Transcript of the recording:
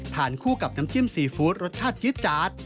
คู่กับน้ำจิ้มซีฟู้ดรสชาติจี๊ดจาด